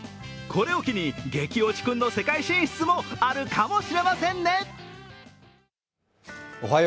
これを機に激落ちくんの世界進出もあるかもしれませんね。